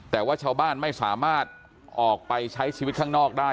แต่ว่าชาวบ้านไม่สามารถออกไปใช้ชีวิตข้างนอกได้